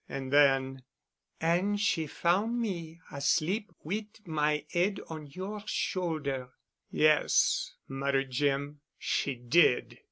And then, "An' she foun' me asleep wit' my 'ead on your shoulder." "Yes," muttered Jim. "She did."